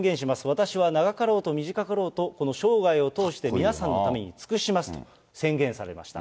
私は長かろうと短かろうと、この生涯を通して、皆さんのために尽くしますと宣言されました。